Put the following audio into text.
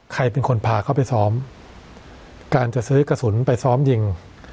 ใครเป็นคนพาเขาไปซ้อมการจะซื้อกระสุนไปซ้อมยิง